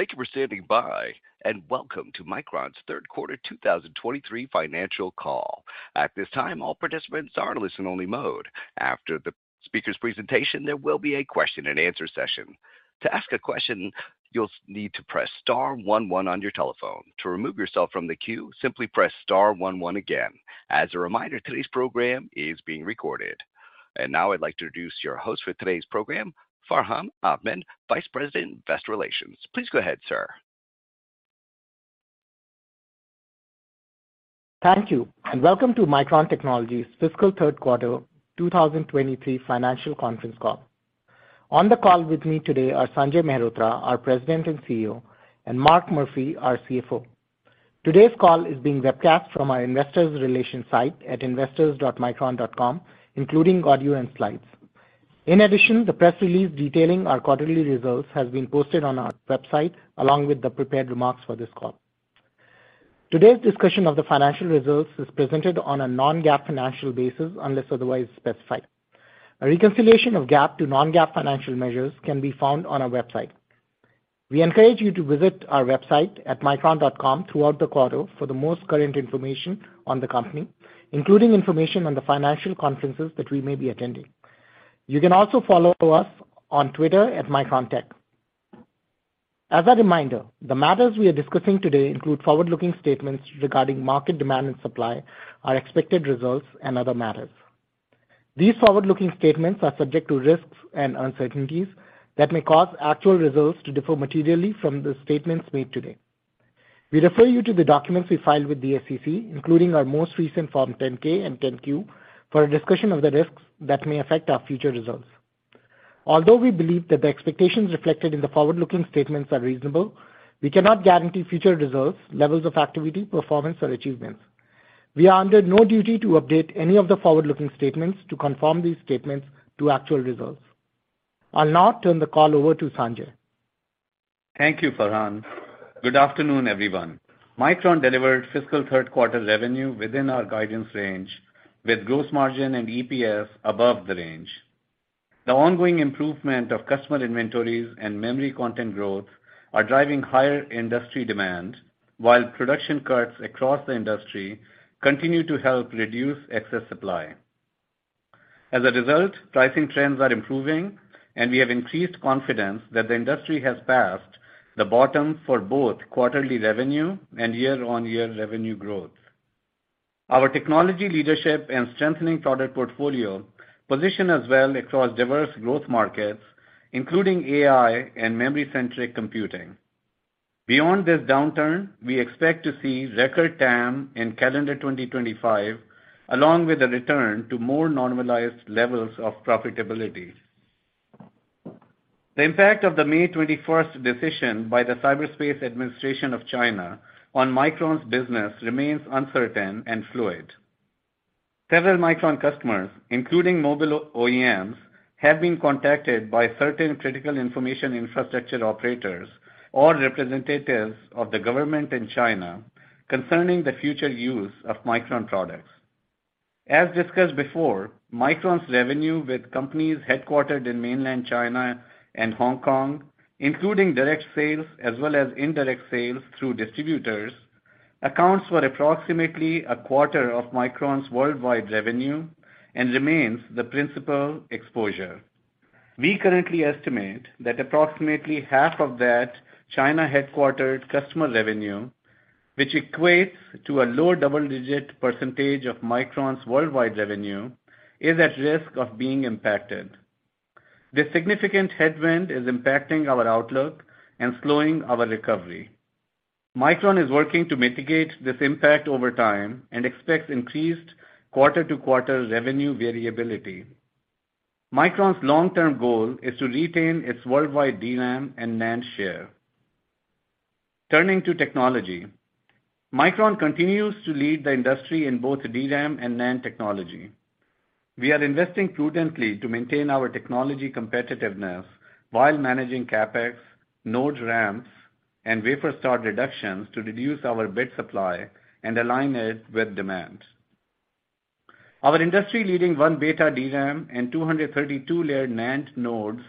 Thank you for standing by. Welcome to Micron's Third Quarter 2023 Financial Call. At this time, all participants are in listen-only mode. After the speaker's presentation, there will be a question and answer session. To ask a question, you'll need to press star one one on your telephone. To remove yourself from the queue, simply press star one one again. As a reminder, today's program is being recorded. Now I'd like to introduce your host for today's program, Farhan Ahmad, Vice President, Investor Relations. Please go ahead, sir. Thank you. Welcome to Micron Technology's Fiscal Third Quarter 2023 Financial Conference Call. On the call with me today are Sanjay Mehrotra, our President and CEO, and Mark Murphy, our CFO. Today's call is being webcast from our investor relations site at investors.micron.com, including audio and slides. In addition, the press release detailing our quarterly results has been posted on our website, along with the prepared remarks for this call. Today's discussion of the financial results is presented on a non-GAAP financial basis, unless otherwise specified. A reconciliation of GAAP to non-GAAP financial measures can be found on our website. We encourage you to visit our website at micron.com throughout the quarter for the most current information on the company, including information on the financial conferences that we may be attending. You can also follow us on Twitter at MicronTech. As a reminder, the matters we are discussing today include forward-looking statements regarding market demand and supply, our expected results, and other matters. These forward-looking statements are subject to risks and uncertainties that may cause actual results to differ materially from the statements made today. We refer you to the documents we filed with the SEC, including our most recent Form 10-K and 10-Q, for a discussion of the risks that may affect our future results. Although we believe that the expectations reflected in the forward-looking statements are reasonable, we cannot guarantee future results, levels of activity, performance, or achievements. We are under no duty to update any of the forward-looking statements to conform these statements to actual results. I'll now turn the call over to Sanjay. Thank you, Farhan. Good afternoon, everyone. Micron delivered fiscal third quarter revenue within our guidance range, with gross margin and EPS above the range. The ongoing improvement of customer inventories and memory content growth are driving higher industry demand, while production cuts across the industry continue to help reduce excess supply. As a result, pricing trends are improving, and we have increased confidence that the industry has passed the bottom for both quarterly revenue and year-on-year revenue growth. Our technology leadership and strengthening product portfolio position us well across diverse growth markets, including AI and memory-centric computing. Beyond this downturn, we expect to see record TAM in calendar 2025, along with a return to more normalized levels of profitability. The impact of the May 21st decision by the Cyberspace Administration of China on Micron's business remains uncertain and fluid. Several Micron customers, including mobile OEMs, have been contacted by certain critical information infrastructure operators or representatives of the government in China concerning the future use of Micron products. As discussed before, Micron's revenue with companies headquartered in mainland China and Hong Kong, including direct sales as well as indirect sales through distributors, accounts for approximately a quarter of Micron's worldwide revenue and remains the principal exposure. We currently estimate that approximately half of that China-headquartered customer revenue, which equates to a low double-digit percentage of Micron's worldwide revenue, is at risk of being impacted. This significant headwind is impacting our outlook and slowing our recovery. Micron is working to mitigate this impact over time and expects increased quarter-to-quarter revenue variability. Micron's long-term goal is to retain its worldwide DRAM and NAND share. Turning to technology. Micron continues to lead the industry in both DRAM and NAND technology. We are investing prudently to maintain our technology competitiveness while managing CapEx, node ramps, and wafer start reductions to reduce our bit supply and align it with demand. Our industry-leading 1-beta DRAM and 232-layer NAND nodes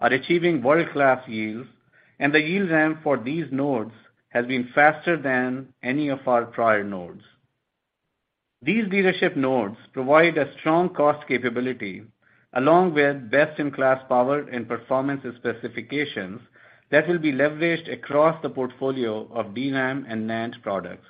are achieving world-class yields, and the yield ramp for these nodes has been faster than any of our prior nodes. These leadership nodes provide a strong cost capability, along with best-in-class power and performance specifications that will be leveraged across the portfolio of DRAM and NAND products.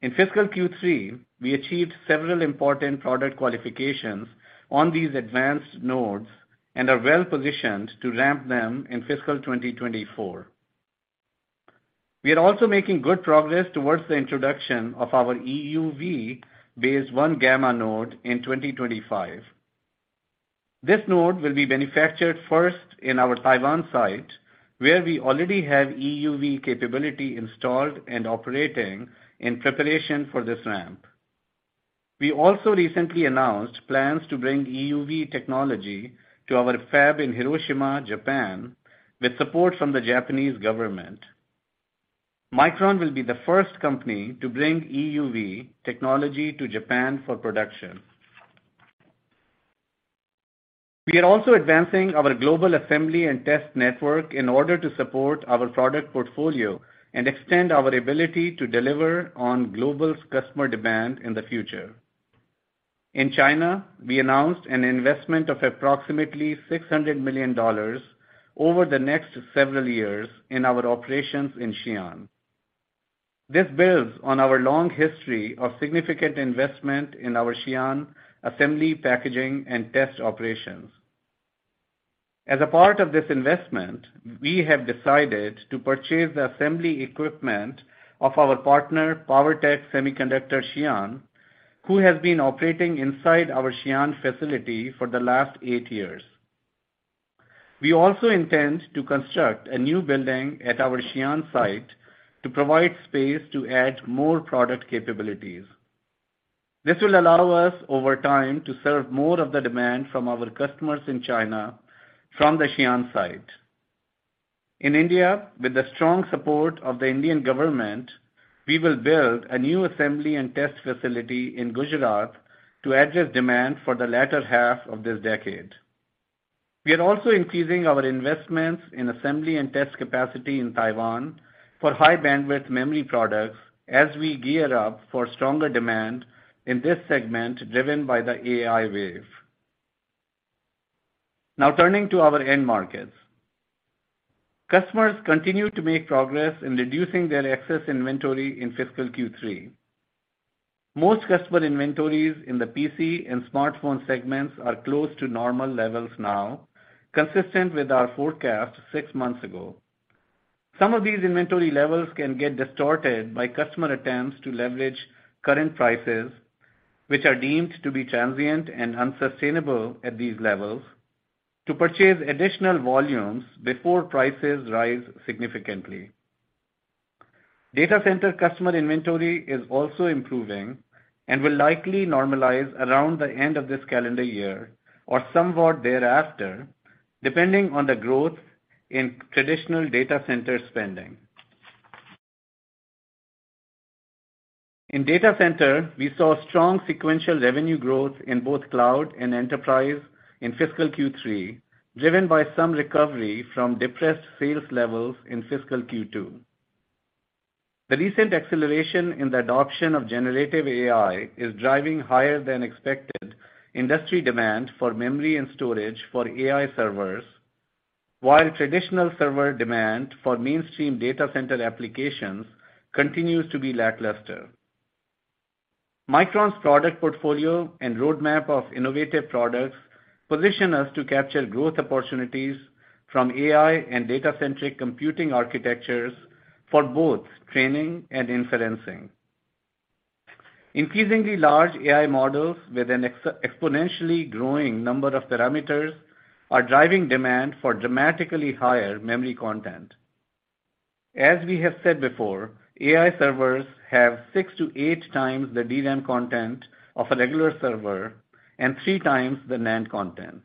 In fiscal Q3, we achieved several important product qualifications on these advanced nodes and are well positioned to ramp them in fiscal 2024. We are also making good progress towards the introduction of our EUV-based 1-gamma node in 2025. This node will be manufactured first in our Taiwan site, where we already have EUV capability installed and operating in preparation for this ramp. We also recently announced plans to bring EUV technology to our fab in Hiroshima, Japan, with support from the Japanese government. Micron will be the first company to bring EUV technology to Japan for production. We are also advancing our global assembly and test network in order to support our product portfolio and extend our ability to deliver on global's customer demand in the future. In China, we announced an investment of approximately $600 million over the next several years in our operations in Xi'an. This builds on our long history of significant investment in our Xi'an assembly, packaging, and test operations. As a part of this investment, we have decided to purchase the assembly equipment of our partner, Powertech Semiconductor Xi'an, who has been operating inside our Xi'an facility for the last eight years. We also intend to construct a new building at our Xi'an site to provide space to add more product capabilities. This will allow us, over time, to serve more of the demand from our customers in China from the Xi'an site. In India, with the strong support of the Indian government, we will build a new assembly and test facility in Gujarat to address demand for the latter half of this decade. We are also increasing our investments in assembly and test capacity in Taiwan for high-bandwidth memory products as we gear up for stronger demand in this segment, driven by the AI wave. Turning to our end markets. Customers continued to make progress in reducing their excess inventory in fiscal Q3. Most customer inventories in the PC and smartphone segments are close to normal levels now, consistent with our forecast six months ago. Some of these inventory levels can get distorted by customer attempts to leverage current prices, which are deemed to be transient and unsustainable at these levels, to purchase additional volumes before prices rise significantly. Data center customer inventory is also improving and will likely normalize around the end of this calendar year or somewhat thereafter, depending on the growth in traditional data center spending. In data centers, we saw strong sequential revenue growth in both cloud and enterprise in fiscal Q3, driven by some recovery from depressed sales levels in fiscal Q2. The recent acceleration in the adoption of generative AI is driving higher-than-expected industry demand for memory and storage for AI servers, while traditional server demand for mainstream data center applications continues to be lackluster. Micron's product portfolio and roadmap of innovative products position us to capture growth opportunities from AI and data-centric computing architectures for both training and inferencing. Increasingly large AI models with exponentially growing numbers of parameters are driving demand for dramatically higher memory content. As we have said before, AI servers have six to eight times the DRAM content of a regular server and three times the NAND content.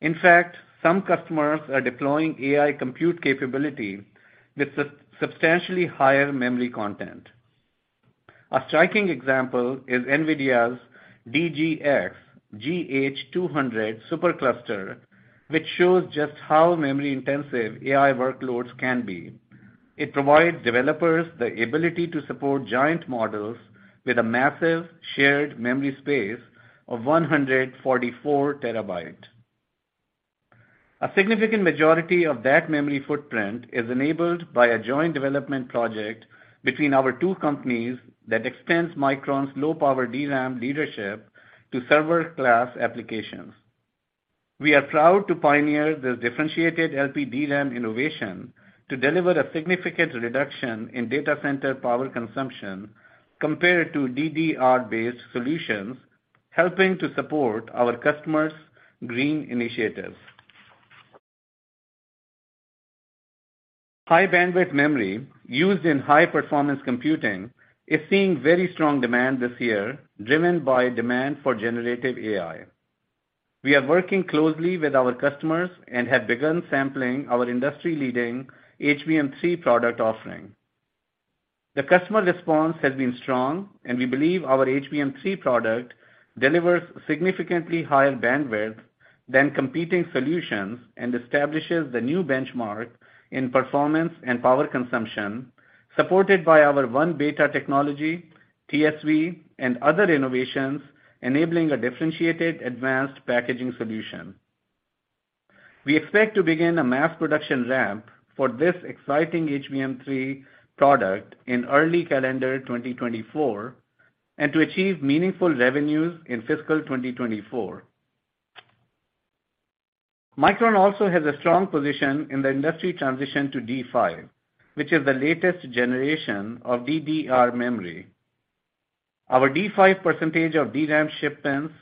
In fact, some customers are deploying AI compute capability with substantially higher memory content. A striking example is NVIDIA's DGX GH200 Supercluster, which shows just how memory-intensive AI workloads can be. It provides developers the ability to support giant models with a massive shared memory space of 144 TB. A significant majority of that memory footprint is enabled by a joint development project between our two companies that extends Micron's low-power DRAM leadership to server-class applications. We are proud to pioneer this differentiated LPDRAM innovation to deliver a significant reduction in data center power consumption compared to DDR-based solutions, helping to support our customers' green initiatives. High-bandwidth memory used in high-performance computing is seeing very strong demand this year, driven by demand for generative AI. We are working closely with our customers and have begun sampling our industry-leading HBM3 product offering. The customer response has been strong. We believe our HBM3 product delivers significantly higher bandwidth than competing solutions and establishes the new benchmark in performance and power consumption, supported by our 1-beta technology, TSV, and other innovations, enabling a differentiated advanced packaging solution. We expect to begin a mass production ramp for this exciting HBM3 product in early calendar 2024 and to achieve meaningful revenues in fiscal 2024. Micron also has a strong position in the industry transition to D5, which is the latest generation of DDR memory. Our D5 percentage of DRAM shipments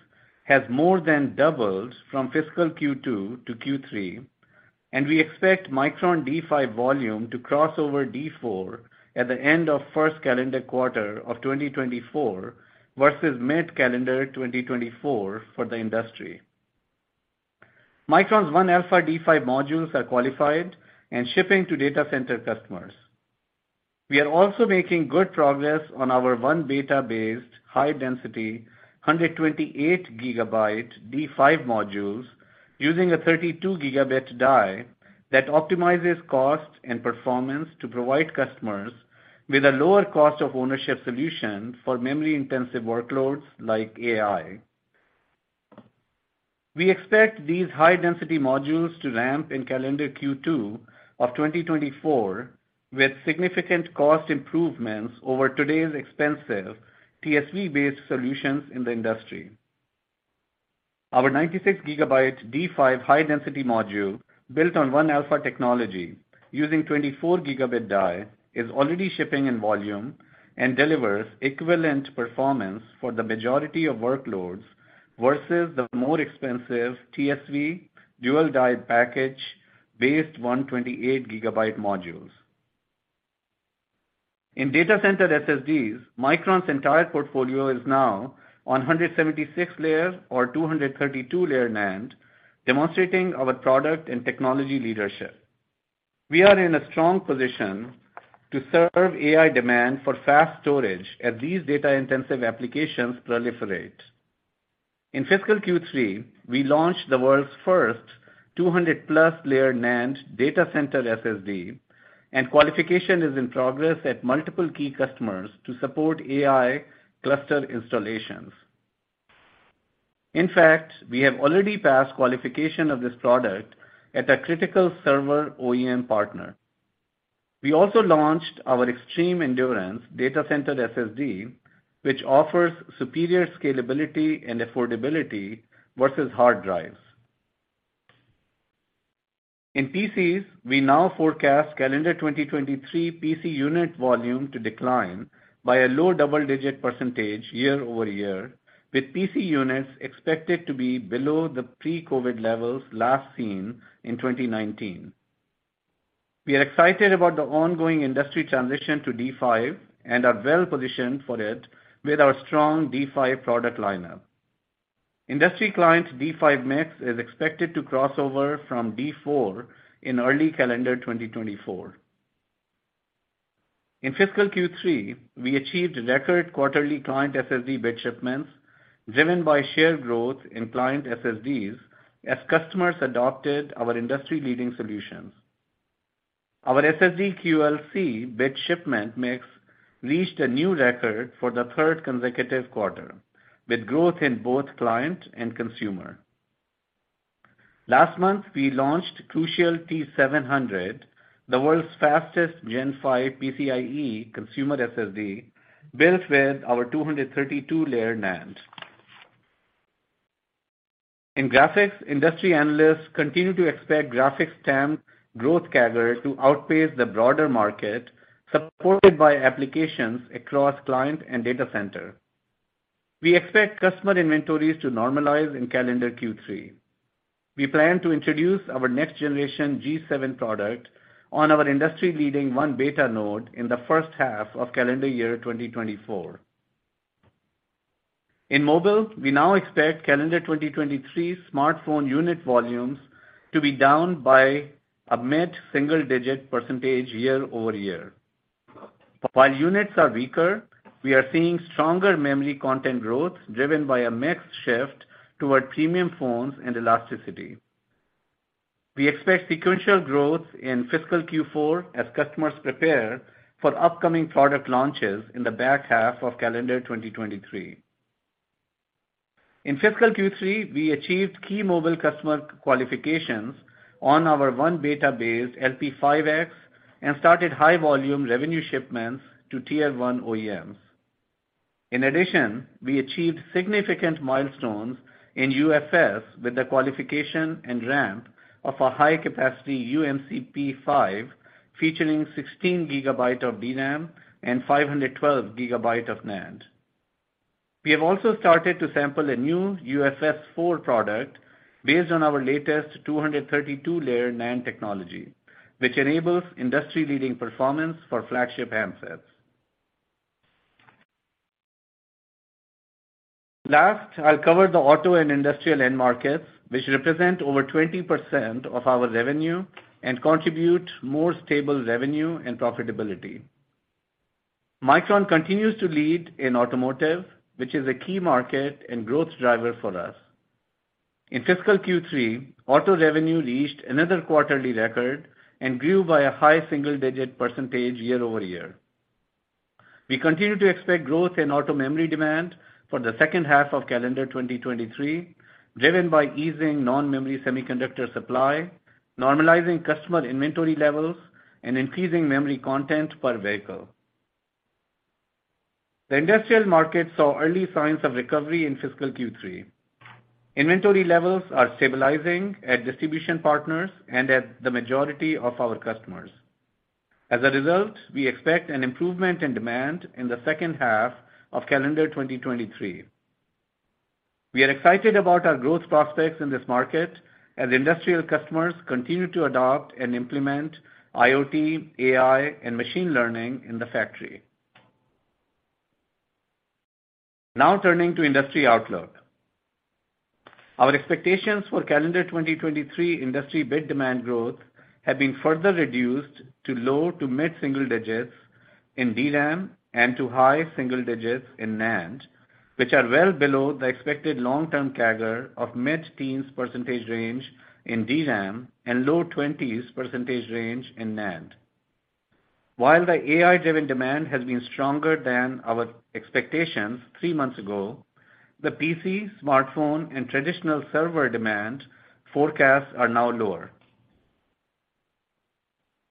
has more than doubled from fiscal Q2 to Q3, and we expect Micron D5 volume to cross over D4 at the end of the first calendar quarter of 2024 versus mid-calendar 2024 for the industry. Micron's 1-alpha D5 modules are qualified and shipping to data center customers. We are also making good progress on our 1-beta-based, high-density, 128 GB D5 modules, using a 32 Gb die that optimizes cost and performance to provide customers with a lower cost of ownership solution for memory-intensive workloads like AI. We expect these high-density modules to ramp up in calendar Q2 of 2024, with significant cost improvements over today's expensive TSV-based solutions in the industry. Our 96 GB D5 high-density module, built on 1-alpha technology using 24 Gb die, is already shipping in volume and delivers equivalent performance for the majority of workloads versus the more expensive TSV dual die package-based 128 GB modules. In data center SSDs, Micron's entire portfolio is now on 176-layer or 232-layer NAND, demonstrating our product and technology leadership. We are in a strong position to serve AI demand for fast storage as these data-intensive applications proliferate. In fiscal Q3, we launched the world's first 200+ layer NAND data center SSD, and qualification is in progress at multiple key customers to support AI cluster installations. In fact, we have already passed qualification of this product at a critical server OEM partner. We also launched our extreme endurance data center SSD, which offers superior scalability and affordability versus hard drives. In PCs, we now forecast calendar 2023 PC unit volume to decline by a low double-digit percentage year-over-year, with PC units expected to be below the pre-COVID levels last seen in 2019. We are excited about the ongoing industry transition to D5 and are well positioned for it with our strong D5 product lineup. Industry clients D5 mix is expected to cross over from D4 in early calendar 2024. In fiscal Q3, we achieved record quarterly client SSD bit shipments, driven by shared growth in client SSDs as customers adopted our industry-leading solutions. Our SSD QLC bit shipment mix reached a new record for the third consecutive quarter, with growth in both client and consumer. Last month, we launched Crucial T700, the world's fastest Gen5 PCIe consumer SSD, built with our 232-layer NAND. In graphics, industry analysts continue to expect graphics TAM growth CAGR to outpace the broader market, supported by applications across client and data center. We expect customer inventories to normalize in calendar Q3. We plan to introduce our next generation G7 product on our industry-leading 1-beta node in the first half of calendar year 2024. In mobile, we now expect calendar 2023 smartphone unit volumes to be down by a mid-single-digit percentage year-over-year. While units are weaker, we are seeing stronger memory content growth, driven by a mix shift toward premium phones and elasticity. We expect sequential growth in fiscal Q4 as customers prepare for upcoming product launches in the back half of calendar 2023. In fiscal Q3, we achieved key mobile customer qualifications on our 1-beta-based LPDDR5X and started high-volume revenue shipments to tier-one OEMs. In addition, we achieved significant milestones in UFS with the qualification and ramp of a high-capacity uMCP5, featuring 16 GB of DRAM and 512 GB of NAND. We have also started to sample a new UFS 4.0 product based on our latest 232-layer NAND technology, which enables industry-leading performance for flagship handsets. Last, I'll cover the auto and industrial end markets, which represent over 20% of our revenue and contribute more stable revenue and profitability. Micron continues to lead in automotive, which is a key market and growth driver for us. In fiscal Q3, auto revenue reached another quarterly record and grew by a high single-digit percentage year-over-year. We continue to expect growth in auto memory demand for the second half of calendar 2023, driven by easing non-memory semiconductor supply, normalizing customer inventory levels, and increasing memory content per vehicle. The industrial market saw early signs of recovery in fiscal Q3. Inventory levels are stabilizing at distribution partners and at the majority of our customers. As a result, we expect an improvement in demand in the second half of calendar 2023. We are excited about our growth prospects in this market as industrial customers continue to adopt and implement IoT, AI, and machine learning in the factory. Turning to industry outlook. Our expectations for calendar 2023 industry bit demand growth have been further reduced to low to mid single digits in DRAM and to high single digits in NAND, which are well below the expected long-term CAGR of mid-teens percentage range in DRAM and low twenties percentage range in NAND. While the AI-driven demand has been stronger than our expectations three months ago, the PC, smartphone, and traditional server demand forecasts are now lower.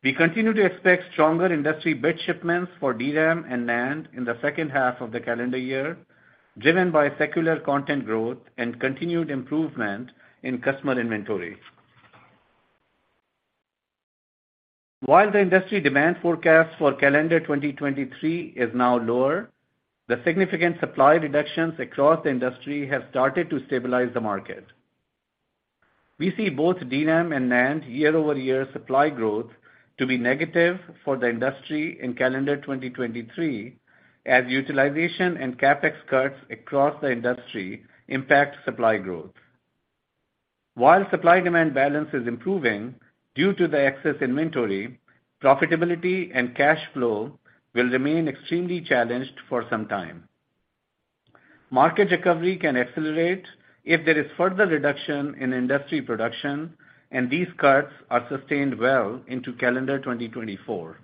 We continue to expect stronger industry bit shipments for DRAM and NAND in the second half of the calendar year, driven by secular content growth and continued improvement in customer inventory. While the industry demand forecast for calendar 2023 is now lower, the significant supply reductions across the industry have started to stabilize the market. We see both DRAM and NAND year-over-year supply growth to be negative for the industry in calendar 2023, as utilization and CapEx cuts across the industry impact supply growth. While supply-demand balance is improving due to the excess inventory, profitability and cash flow will remain extremely challenged for some time. Market recovery can accelerate if there is further reduction in industry production and these cuts are sustained well into calendar 2024.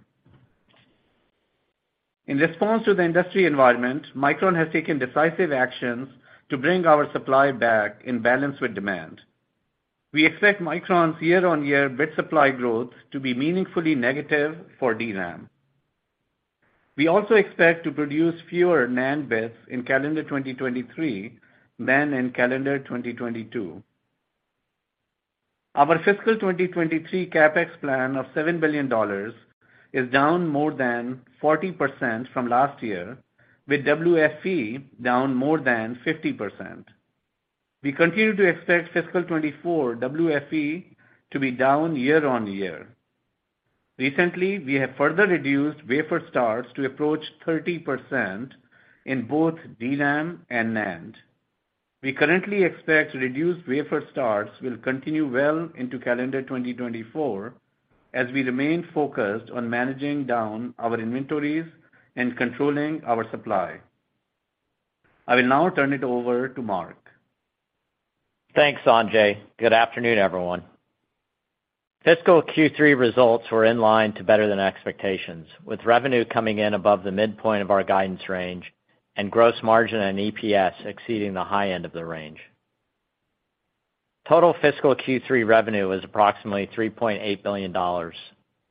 In response to the industry environment, Micron has taken decisive actions to bring our supply back in balance with demand. We expect Micron's year-on-year bit supply growth to be meaningfully negative for DRAM. We also expect to produce fewer NAND bits in calendar 2023 than in calendar 2022. Our fiscal 2023 CapEx plan of $7 billion is down more than 40% from last year, with WFE down more than 50%. We continue to expect fiscal 2024 WFE to be down year-over-year. Recently, we have further reduced wafer starts to approach 30% in both DRAM and NAND. We currently expect reduced wafer starts will continue well into calendar 2024, as we remain focused on managing down our inventories and controlling our supply. I will now turn it over to Mark. Thanks, Sanjay. Good afternoon, everyone. Fiscal Q3 results were in line to better than expectations, with revenue coming in above the midpoint of our guidance range and gross margin and EPS exceeding the high end of the range. Total fiscal Q3 revenue was approximately $3.8 billion,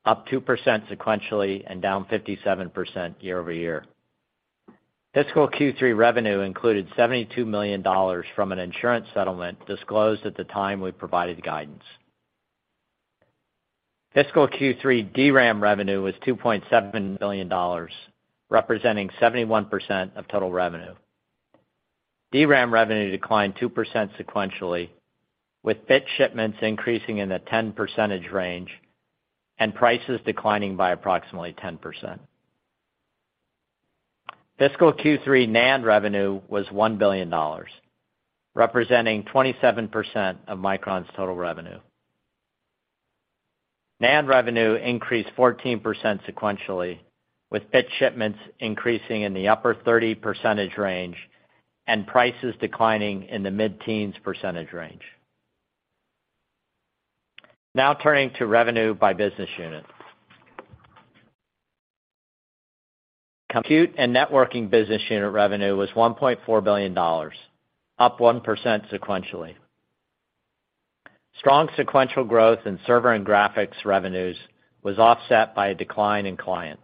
up 2% sequentially and down 57% year-over-year. Fiscal Q3 revenue included $72 million from an insurance settlement disclosed at the time we provided guidance. Fiscal Q3 DRAM revenue was $2.7 billion, representing 71% of total revenue. DRAM revenue declined 2% sequentially, with bit shipments increasing in the 10% range and prices declining by approximately 10%. Fiscal Q3 NAND revenue was $1 billion, representing 27% of Micron's total revenue. NAND revenue increased 14% sequentially, with bit shipments increasing in the upper 30% range and prices declining in the mid-teens percentage range. Turning to revenue by business unit. Compute and networking business unit revenue was $1.4 billion, up 1% sequentially. Strong sequential growth in server and graphics revenues was offset by a decline in client.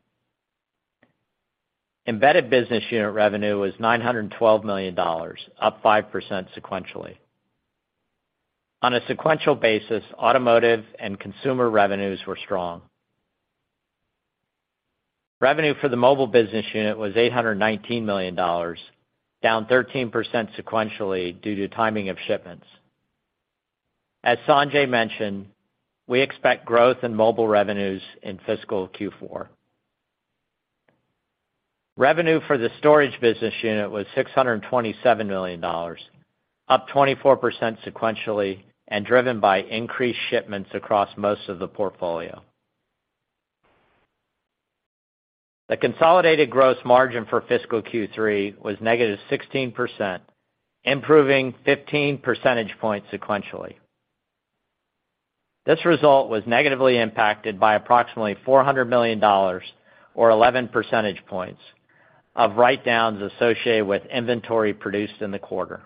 Embedded business unit revenue was $912 million, up 5% sequentially. On a sequential basis, automotive and consumer revenues were strong. Revenue for the mobile business unit was $819 million, down 13% sequentially due to the timing of shipments. As Sanjay mentioned, we expect growth in mobile revenues in fiscal Q4. Revenue for the storage business unit was $627 million, up 24% sequentially, and driven by increased shipments across most of the portfolio. The consolidated gross margin for fiscal Q3 was negative 16%, improving 15 percentage points sequentially. This result was negatively impacted by approximately $400 million, or 11 percentage points, of write-downs associated with inventory produced in the quarter.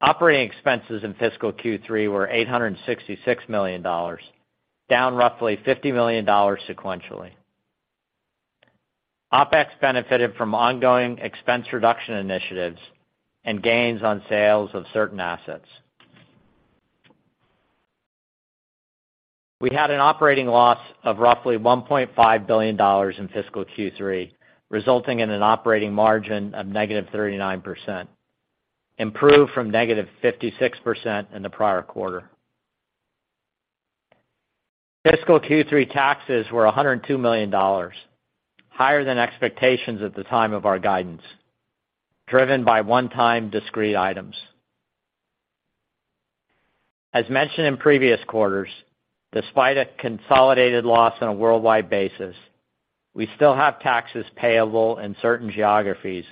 Operating expenses in fiscal Q3 were $866 million, down roughly $50 million sequentially. OpEx benefited from ongoing expense reduction initiatives and gains on sales of certain assets. We had an operating loss of roughly $1.5 billion in fiscal Q3, resulting in an operating margin of negative 39%, improved from negative 56% in the prior quarter. Fiscal Q3 taxes were $102 million, higher than expectations at the time of our guidance, driven by one-time discrete items. As mentioned in previous quarters, despite a consolidated loss on a worldwide basis, we still have taxes payable in certain geographies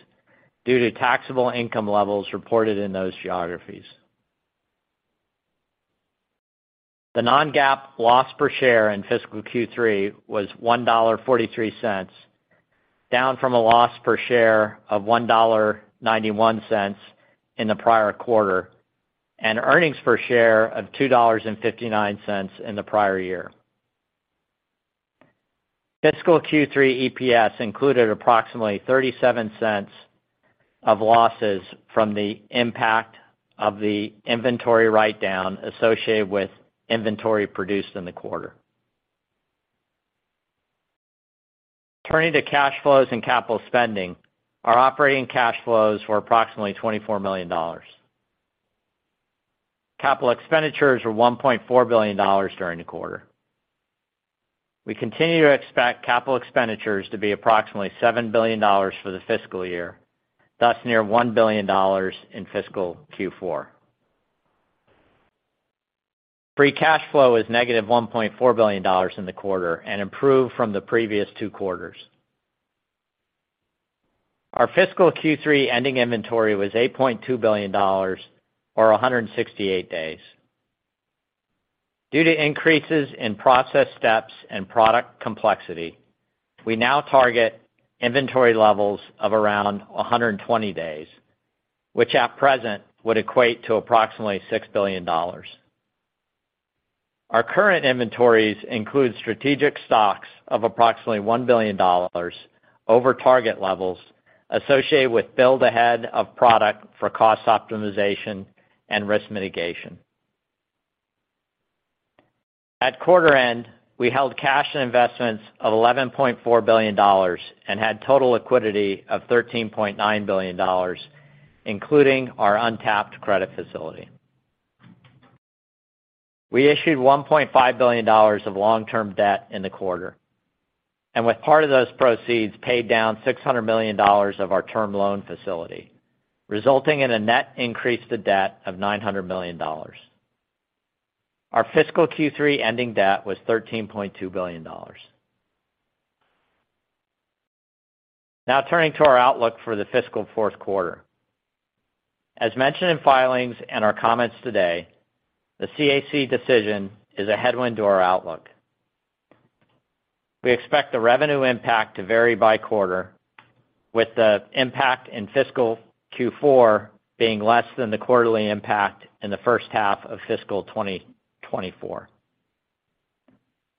due to taxable income levels reported in those geographies. The non-GAAP loss per share in fiscal Q3 was $1.43, down from a loss per share of $1.91 in the prior quarter and earnings per share of $2.59 in the prior year. Fiscal Q3 EPS included approximately $0.37 of losses from the impact of the inventory write-down associated with inventory produced in the quarter. Turning to cash flows and capital spending, our operating cash flows were approximately $24 million. Capital expenditures were $1.4 billion during the quarter. We continue to expect capital expenditures to be approximately $7 billion for the fiscal year, thus near $1 billion in fiscal Q4. Free cash flow is negative $1.4 billion in the quarter and improved from the previous two quarters. Our fiscal Q3 ending inventory was $8.2 billion, or 168 days. Due to increases in process steps and product complexity, we now target inventory levels of around 120 days, which at present would equate to approximately $6 billion. Our current inventories include strategic stocks of approximately $1 billion over target levels associated with build ahead of product for cost optimization and risk mitigation. At quarter end, we held cash and investments of $11.4 billion and had total liquidity of $13.9 billion, including our untapped credit facility. We issued $1.5 billion of long-term debt in the quarter, and with part of those proceeds, we paid down $600 million of our term loan facility, resulting in a net increase to debt of $900 million. Our fiscal Q3 ending debt was $13.2 billion. Now turning to our outlook for the fiscal fourth quarter. As mentioned in filings and our comments today, the CAC decision is a headwind to our outlook. We expect the revenue impact to vary by quarter, with the impact in fiscal Q4 being less than the quarterly impact in the first half of FY24.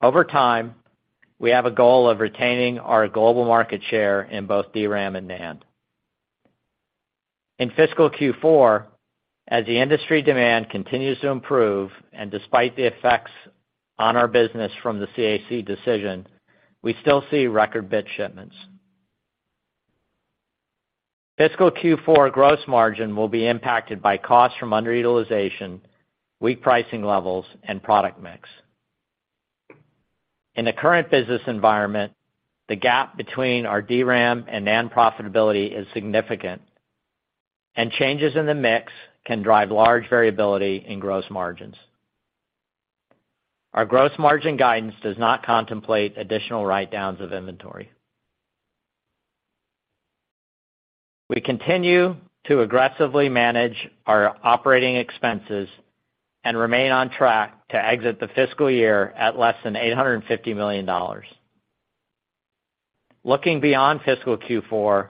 Over time, we have a goal of retaining our global market share in both DRAM and NAND. In fiscal Q4, as the industry demand continues to improve, and despite the effects on our business from the CAC decision, we still see record bit shipments. Fiscal Q4 gross margin will be impacted by costs from underutilization, weak pricing levels, and product mix. In the current business environment, the gap between our DRAM and NAND profitability is significant, and changes in the mix can drive large variability in gross margins. Our gross margin guidance does not contemplate additional write-downs of inventory. We continue to aggressively manage our operating expenses and remain on track to exit the fiscal year at less than $850 million. Looking beyond fiscal Q4,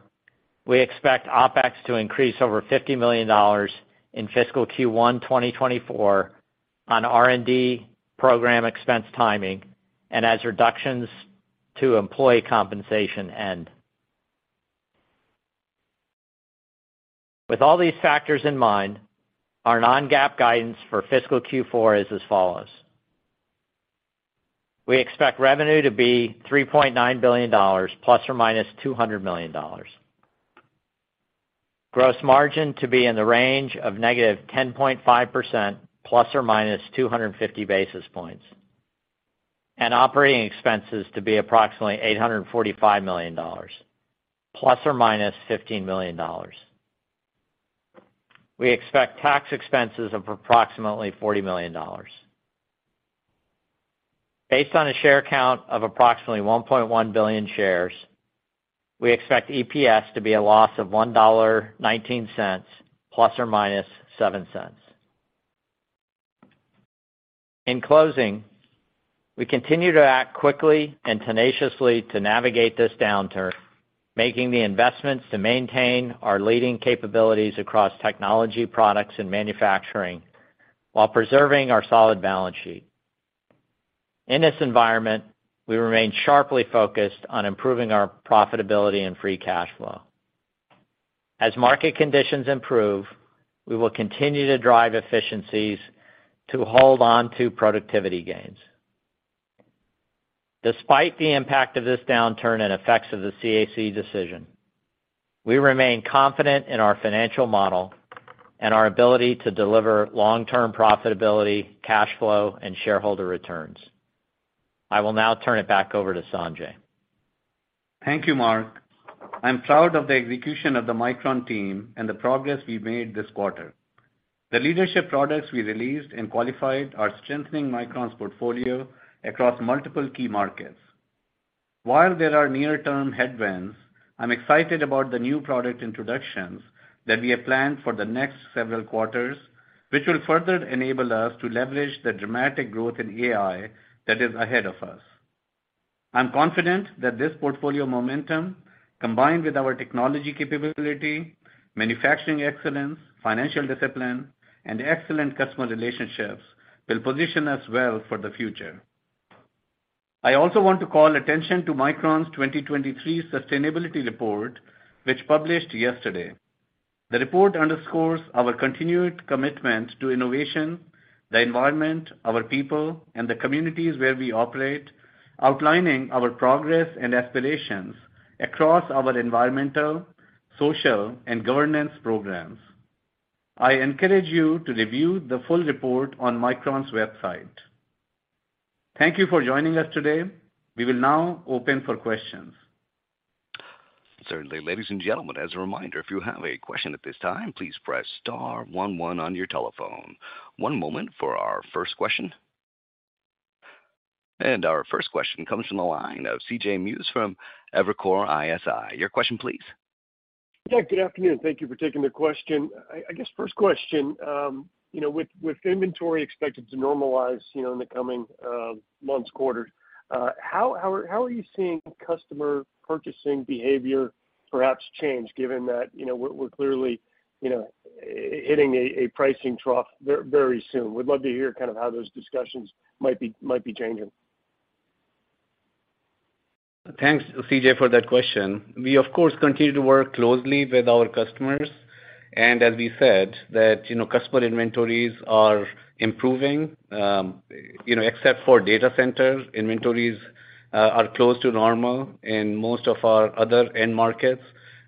we expect OpEx to increase over $50 million in fiscal Q1 2024 on R&D program expense timing and as reductions to employee compensation end. With all these factors in mind, our non-GAAP guidance for fiscal Q4 is as follows: We expect revenue to be $3.9 billion, ±$200 million. Gross margin to be in the range of -10.5%, ±250 basis points, and operating expenses to be approximately $845 million, ±$15 million. We expect tax expenses of approximately $40 million. Based on a share count of approximately 1.1 billion shares, we expect EPS to be a loss of $1.19, ±$0.07. In closing, we continue to act quickly and tenaciously to navigate this downturn, making the investments to maintain our leading capabilities across technology, products, and manufacturing, while preserving our solid balance sheet. In this environment, we remain sharply focused on improving our profitability and free cash flow. As market conditions improve, we will continue to drive efficiencies to hold on to productivity gains. Despite the impact of this downturn and the effects of the CAC decision, we remain confident in our financial model and our ability to deliver long-term profitability, cash flow, and shareholder returns. I will now turn it back over to Sanjay. Thank you, Mark. I'm proud of the execution of the Micron team and the progress we've made this quarter. The leadership products we released and qualified are strengthening Micron's portfolio across multiple key markets. While there are near-term headwinds, I'm excited about the new product introductions that we have planned for the next several quarters, which will further enable us to leverage the dramatic growth in AI that is ahead of us. I'm confident that this portfolio momentum, combined with our technology capability, manufacturing excellence, financial discipline, and excellent customer relationships, will position us well for the future. I also want to call attention to Micron's 2023 sustainability report, which published yesterday. The report underscores our continued commitment to innovation, the environment, our people, and the communities where we operate, outlining our progress and aspirations across our environmental, social, and governance programs. I encourage you to review the full report on Micron's website. Thank you for joining us today. We will now open for questions. Certainly. Ladies and gentlemen, as a reminder, if you have a question at this time, please press star one one on your telephone. One moment for our first question. Our first question comes from the line of CJ Muse from Evercore ISI. Your question, please. Good afternoon. Thank you for taking the question. I guess the first question, you know, with inventory expected to normalize, you know, in the coming months, quarters, how are you seeing customer purchasing behavior perhaps change, given that, you know, we're clearly, you know, hitting a pricing trough very soon? We'd love to hear kind of how those discussions might be changing. Thanks, CJ, for that question. We, of course, continue to work closely with our customers. As we said, you know, customer inventories are improving. You know, except for data centers, inventories are close to normal in most of our other end markets.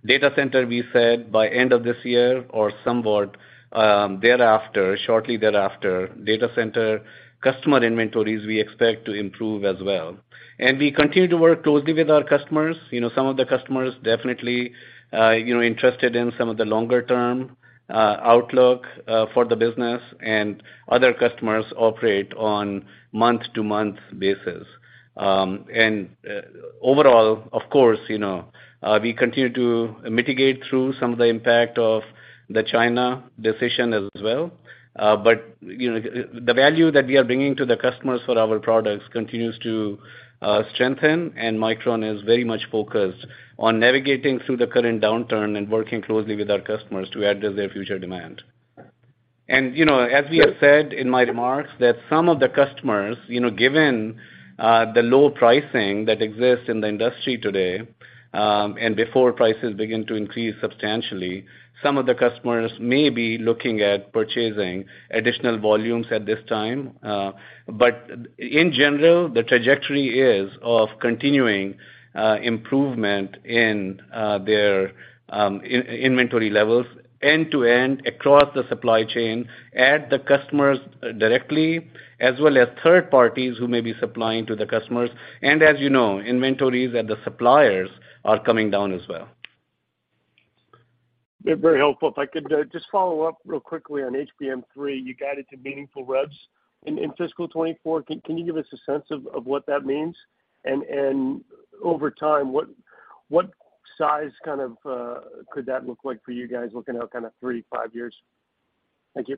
Data center, we said by the end of this year or somewhat thereafter, shortly thereafter, data center customer inventories we expect to improve as well. We continue to work closely with our customers. You know, some of the customers definitely, you know, interested in some of the longer-term outlook for the business, and other customers operate on a month-to-month basis. Overall, of course, you know, we continue to mitigate through some of the impact of the China decision as well. You know, the value that we are bringing to the customers for our products continues to strengthen, and Micron is very much focused on navigating through the current downturn and working closely with our customers to address their future demand. You know, as we have said in my remarks, that some of the customers, you know, given the low pricing that exists in the industry today, and before prices begin to increase substantially, some of the customers may be looking at purchasing additional volumes at this time. In general, the trajectory is of continuing improvement in their inventory levels, end-to-end, across the supply chain, at the customers directly, as well as third parties who may be supplying to the customers. As you know, inventories at the suppliers are coming down as well. Very helpful. If I could, just follow up real quickly on HBM3. You guided to meaningful revs in fiscal 24. Can you give us a sense of what that means? Over time, what size kind of, could that look like for you guys looking out, kind of, three, to five years? Thank you.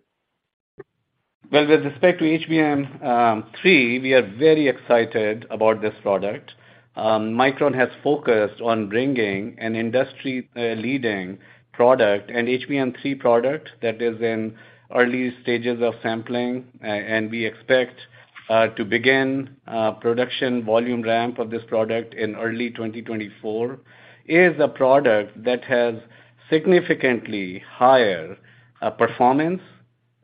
Well, with respect to HBM3, we are very excited about this product. Micron has focused on bringing an industry-leading product, an HBM3 product that is in the early stages of sampling, and we expect to begin production volume ramp of this product in early 2024. It is a product that has significantly higher performance,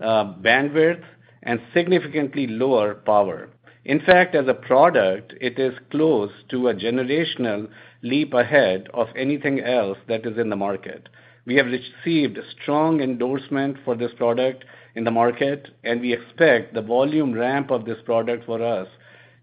bandwidth, and significantly lower power. In fact, as a product, it is close to a generational leap ahead of anything else that is in the market. We have received strong endorsement for this product in the market; we expect the volume ramp of this product for us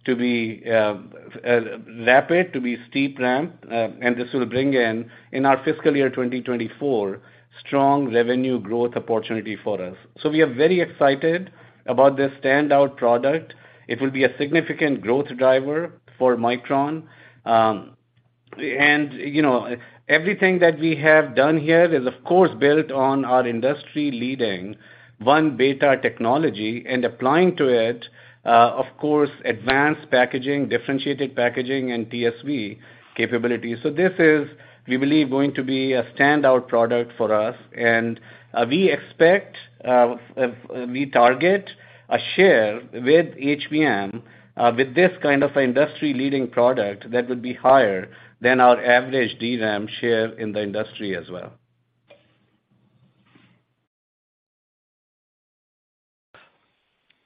to be rapid, to be a steep ramp, and this will bring in our fiscal year 2024, strong revenue growth opportunities for us. We are very excited about this standout product. It will be a significant growth driver for Micron. You know, everything that we have done here is, of course, built on our industry-leading 1-beta technology, and applying to it, of course, advanced packaging, differentiated packaging, and TSV capabilities. This is, we believe, going to be a standout product for us. We expect, we target a share with HBM, with this kind of industry-leading product that would be higher than our average DRAM share in the industry as well.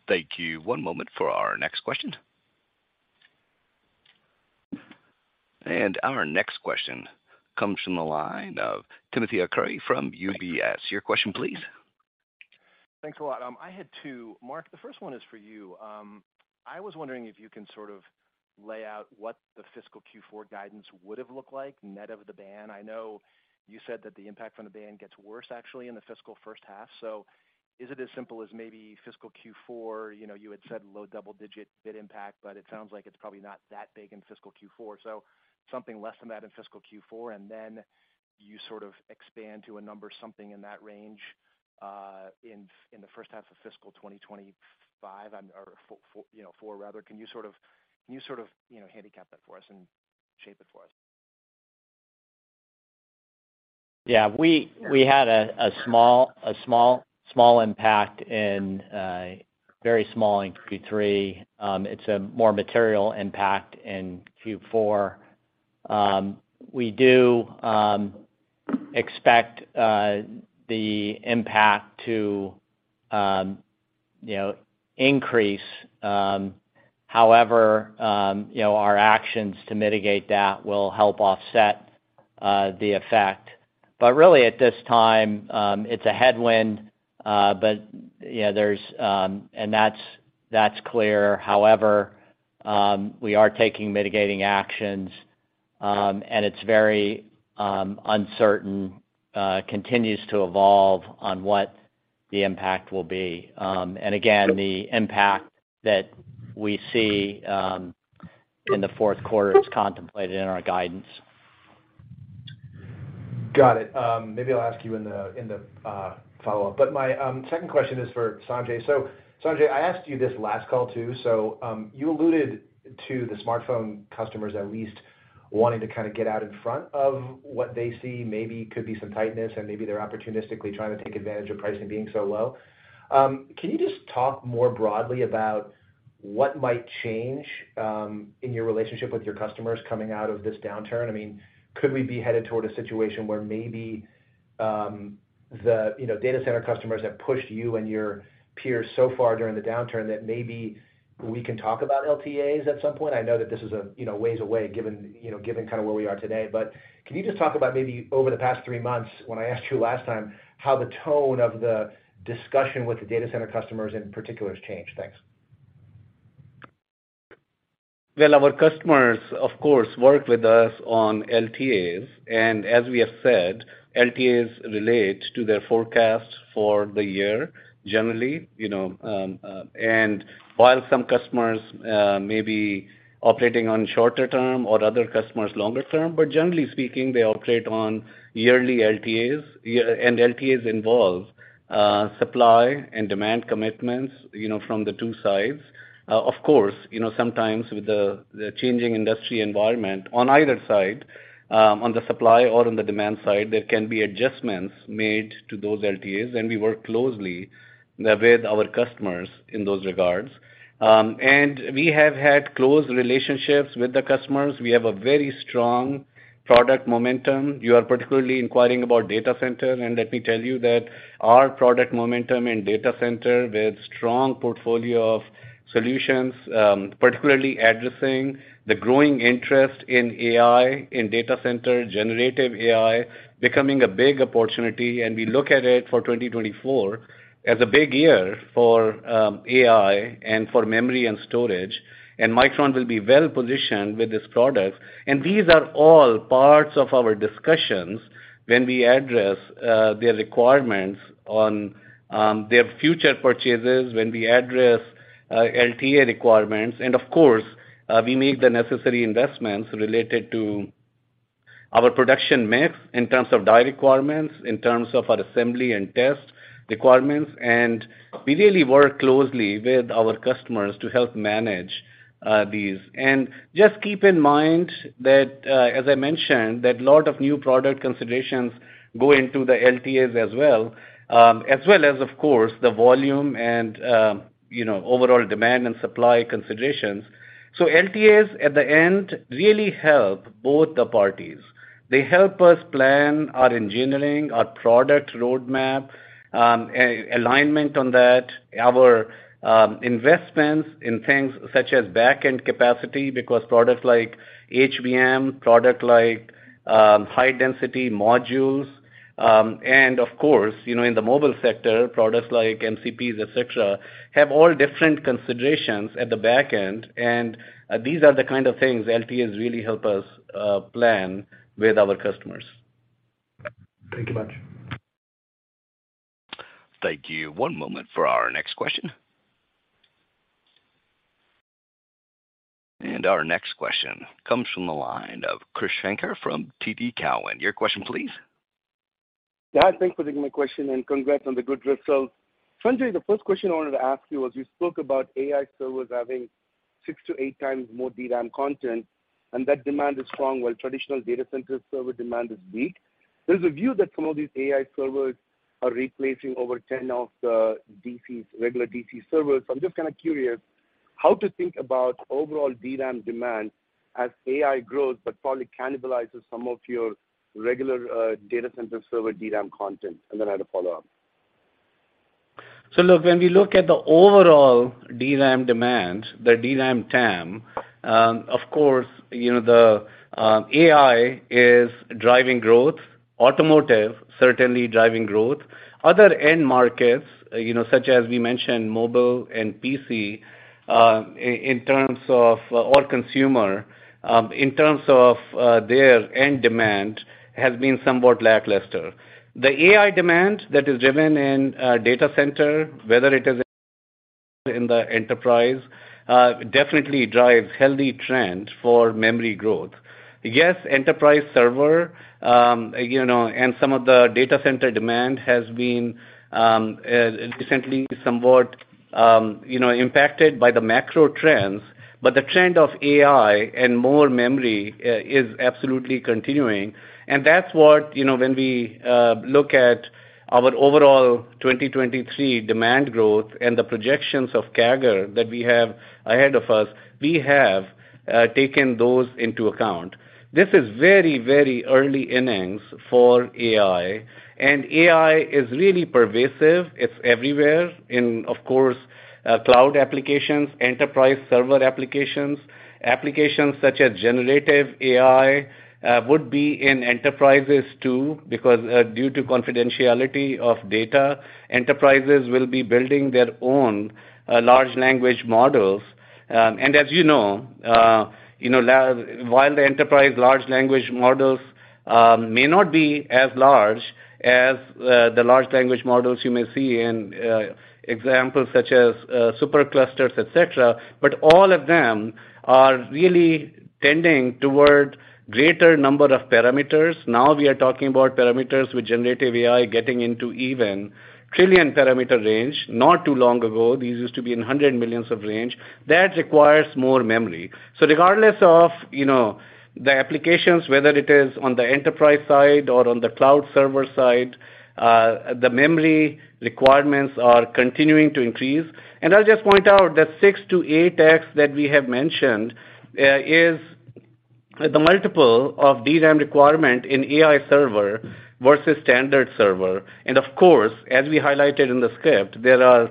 Thank you. One moment for our next question. Our next question comes from the line of Timothy Arcuri from UBS. Your question, please. Thanks a lot. I had two. Mark, the first one is for you. I was wondering if you can sort of lay out what the fiscal Q4 guidance would have looked like, net of the ban. I know you said that the impact from the ban gets worse actually in the fiscal first half. Is it as simple as maybe fiscal Q4? You know, you had said low double-digit bit impact, but it sounds like it's probably not that big in fiscal Q4. Something less than that in fiscal Q4, and then you sort of expand to a number, something in that range, in the first half of fiscal 2025, or 2024, rather. Can you sort of, you know, handicap that for us and shape it for us? Yeah, we had a small impact, very small, in Q3. It's a more material impact in Q4. We do expect the impact to, you know, increase. However, you know, our actions to mitigate that will help offset the effect. Really, at this time, it's a headwind, but, you know, that's clear. However, we are taking mitigating actions; it's very uncertain, and continues to evolve on what the impact will be. Again, the impact that we see in the fourth quarter is contemplated in our guidance. Got it. Maybe I'll ask you in the, in the, follow-up. My, second question is for Sanjay. Sanjay, I asked you this last call, too. You alluded to the smartphone customers at least wanting to kind of get out in front of what they see, maybe could be some tightness, and maybe they're opportunistically trying to take advantage of pricing being so low. Can you just talk more broadly about what might change, in your relationship with your customers coming out of this downturn? I mean, could we be headed toward a situation where maybe, the, you know, data center customers have pushed you and your peers so far during the downturn that maybe we can talk about LTAs at some point? I know that this is a, you know, ways away, given, you know, given kind of where we are today. Can you just talk about maybe over the past three months, when I asked you last time, how the tone of the discussion with the data center customers in particular has changed? Thanks. Well, our customers, of course, work with us on LTAs, and as we have said, LTAs relate to their forecast for the year, generally, you know. While some customers may be operating on shorter term or other customers longer term, but generally speaking, they operate on yearly LTAs. LTAs involve supply and demand commitments, you know, from the two sides. Sometimes with the changing industry environment on either side, on the supply or on the demand side, there can be adjustments made to those LTAs, and we work closely with our customers in those regards. We have had close relationships with the customers. We have a very strong product momentum. You are particularly inquiring about data center. Let me tell you that our product momentum in data centers, with a strong portfolio of solutions, particularly addressing the growing interest in AI, in data centers, generative AI, becoming a big opportunity, and we look at it for 2024 as a big year for AI and for memory and storage. Micron will be well positioned with this product. These are all parts of our discussions when we address their requirements on their future purchases, when we address LTA requirements. Of course, we make the necessary investments related to our production mix in terms of die requirements, in terms of our assembly and test requirements, and we really work closely with our customers to help manage these. Just keep in mind that, as I mentioned, that a lot of new product considerations go into the LTAs as well, as well as, of course, the volume and, you know, overall demand and supply considerations. LTAs at the end, really help both the parties. They help us plan our engineering, our product roadmap, alignment on that, and our investments in things such as back-end capacity, because products like HBM, products like, high-density modules, and of course, you know, in the mobile sector, products like MCPs, et cetera, have all different considerations at the back end. These are the kinds of things LTAs really help us plan with our customers. Thank you much. Thank you. One moment for our next question. Our next question comes from the line of Krish Sankar from TD Cowen. Your question, please. Yeah, thanks for taking my question, and congrats on the good results. Sanjay, the first question I wanted to ask you was, you spoke about AI servers having six to eight times more DRAM content, and that demand is strong, while traditional data center server demand is weak. There's a view that some of these AI servers are replacing over 10 of the DCs, regular DC servers. I'm just kind of curious how to think about overall DRAM demand as AI grows, but probably cannibalizes some of your regular data center server DRAM content. I had a follow-up. Look, when we look at the overall DRAM demand, the DRAM TAM, of course, you know, the AI is driving growth, automotive certainly driving growth. Other end markets, you know, such as we mentioned, mobile and PC, in terms of all consumers, in terms of their end demand, has been somewhat lackluster. The AI demand that is driven in data centers, whether it is in the enterprise, definitely drives healthy trends for memory growth. Yes, enterprise server, you know, and some of the data center demand has been recently somewhat, you know, impacted by the macro trends, but the trend of AI and more memory is absolutely continuing. That's what, you know, when we look at our overall 2023 demand growth and the projections of CAGR that we have ahead of us, we have taken those into account. This is very, very early innings for AI, and AI is really pervasive. It's everywhere in, of course, cloud applications, and enterprise server applications. Applications such as generative AI would be in enterprises too, because due to the confidentiality of data, enterprises will be building their own large language models. As you know, you know, while the enterprise large language models may not be as large as the large language models you may see in examples such as superclusters, et cetera, but all of them are really tending toward greater number of parameters. Now we are talking about parameters with generative AI getting into even trillion parameter range. Not too long ago, these used to be in 100 millions of range. That requires more memory. Regardless of, you know, the applications, whether it is on the enterprise side or on the cloud server side, the memory requirements are continuing to increase. I'll just point out that 6x-8x that we have mentioned is the multiple of DRAM requirement in an AI server versus a standard server. Of course, as we highlighted in the script, there are,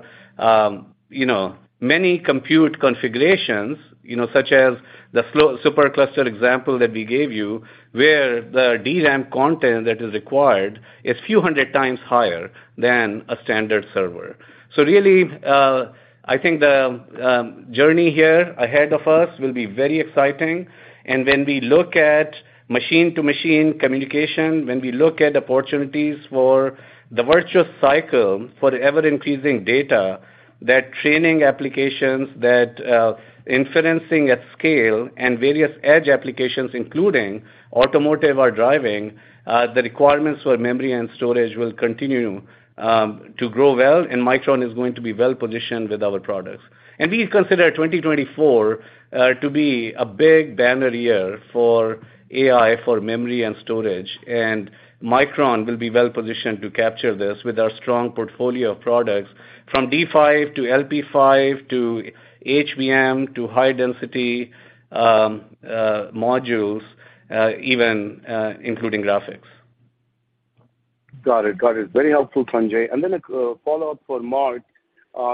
you know, many compute configurations, you know, such as the flow supercluster example that we gave you, where the DRAM content that is required is a few 100 times higher than a standard server. Really, I think the journey here ahead of us will be very exciting. When we look at machine-to-machine communication, when we look at opportunities for the virtuous cycle for the ever-increasing data, that training applications, that inferencing at scale and various edge applications, including automotive, are driving, the requirements for memory and storage will continue to grow well, and Micron is going to be well positioned with our products. We consider 2024 to be a big banner year for AI, and for memory and storage, and Micron will be well positioned to capture this with our strong portfolio of products, from D5 to LPDDR5, to HVM, to high-density modules, even including graphics. Got it. Got it. Very helpful, Sanjay. A follow-up for Mark.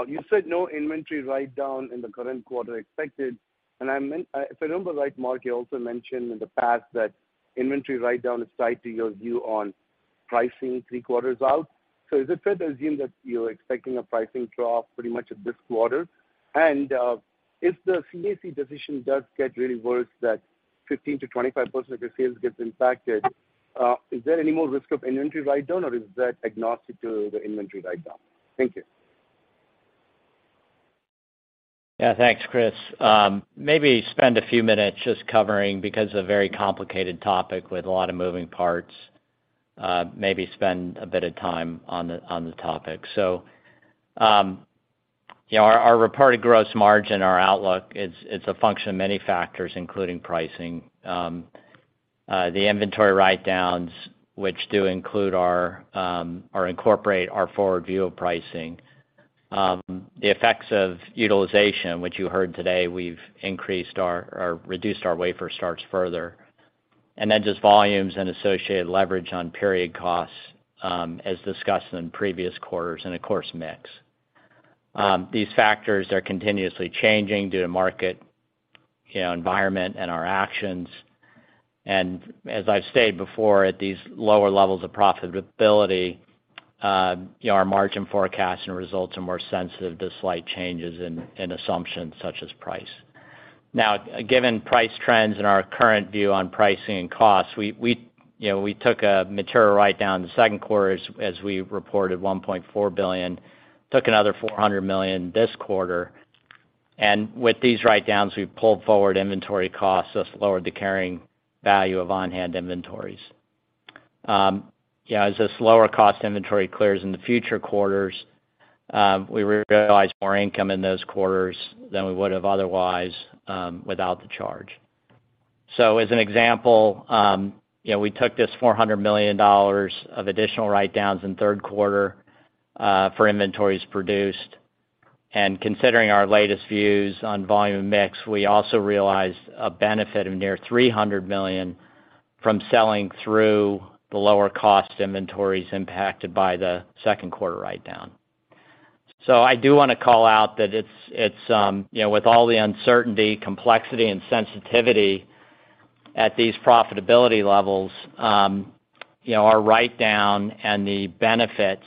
You said no inventory write-down in the current quarter expected, and if I remember right, Mark, you also mentioned in the past that inventory write-down is tied to your view on pricing three quarters out. Is it fair to assume that you're expecting a pricing drop pretty much at this quarter? If the CAC decision does get really worse, that 15%-25% of your sales gets impacted, is there any more risk of inventory write-down, or is that agnostic to the inventory write-down? Thank you. Thanks, Chris. Maybe spend a few minutes just covering, because it's a very complicated topic with a lot of moving parts; maybe spend a bit of time on the topic. Our reported gross margin, our outlook, it's a function of many factors, including pricing. The inventory write-downs, which do include our, or incorporate our forward view of pricing. The effects of utilization, which you heard today, we've reduced our wafer starts further, and then just volumes and associated leverage on period costs, as discussed in previous quarters, and of course, mix. These factors are continuously changing due to the market environment and our actions. As I've stated before, at these lower levels of profitability, you know, our margin forecast and results are more sensitive to slight changes in assumptions such as price. Given price trends and our current view on pricing and costs, we, you know, we took a material write-down in the second quarter as we reported $1.4 billion, and took another $400 million this quarter. With these write-downs, we've pulled forward inventory costs, so it's lowered the carrying value of on-hand inventories. As this lower-cost inventory clears in the future quarters, we realize more income in those quarters than we would have otherwise without the charge. As an example, you know, we took this $400 million of additional write-downs in the third quarter for inventories produced. Considering our latest views on volume mix, we also realized a benefit of nearly $300 million from selling through the lower-cost inventories impacted by the second-quarter write-down. I do want to call out that it's, you know, with all the uncertainty, complexity, and sensitivity at these profitability levels, you know, our write-down and the benefits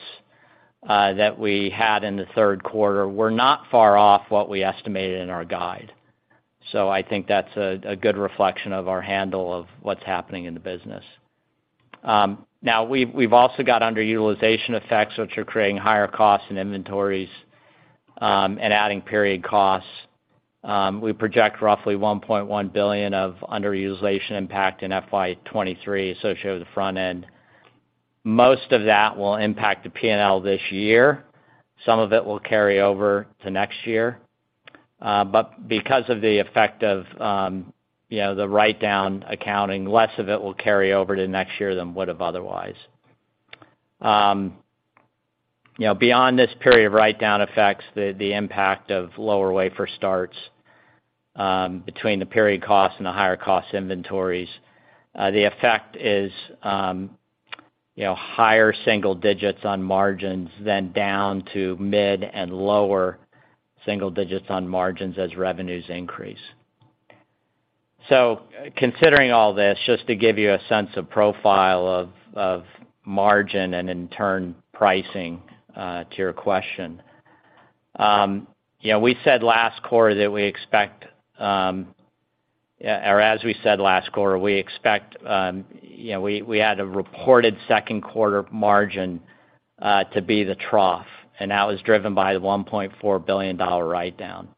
that we had in the third quarter were not far off what we estimated in our guide. I think that's a good reflection of our handle of what's happening in the business. Now we've also got underutilization effects, which are creating higher costs and inventories and adding period costs. We project roughly $1.1 billion of underutilization impact in FY23, associated with the front end. Most of that will impact the PNL this year. Some of it will carry over to next year. Because of the effect of, you know, the write-down accounting, less of it will carry over to next year than would have otherwise. You know, beyond this period of write-down effects, the impact of lower wafer starts, between the period costs and the higher cost inventories, the effect is, you know, higher single digits on margins, then down to mid and lower single digits on margins as revenues increase. Considering all this, just to give you a sense of the profile of margin and, in turn, pricing, to your question. You know, we said last quarter that we expect, or as we said last quarter, we expect, you know, we had a reported second quarter margin to be the trough, and that was driven by the $1.4 billion write-down.